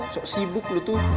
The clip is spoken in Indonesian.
sok sibuk lo tuh